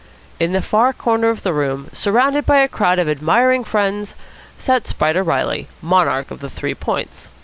In the far corner of the room, surrounded by a crowd of admiring friends, sat Spider Reilly, monarch of the Three Points.